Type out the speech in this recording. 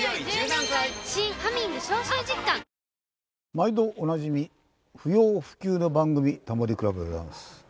毎度おなじみ不要不急の番組『タモリ倶楽部』でございます。